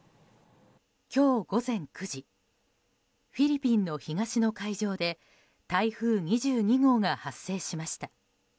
今日午前９時フィリピンの東の海上で台風２２号が発生しました。